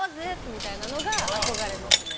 みたいなのが憧れますね。